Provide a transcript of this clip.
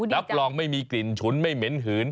รับรองไม่มีกลิ่นฉุนไม่เหม็นหืน